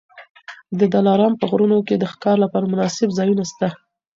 د دلارام په غرونو کي د ښکار لپاره مناسب ځایونه سته.